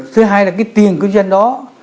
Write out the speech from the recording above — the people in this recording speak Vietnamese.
thứ hai là cái tiền kinh doanh đó